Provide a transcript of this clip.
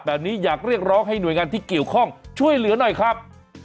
แบบนี้อยากเรียกร้องให้หน่วยงานที่เกี่ยวข้องช่วยเหลือหน่อยครับ